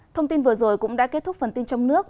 thông tin vừa rồi cũng đã kết thúc phần tin trong nước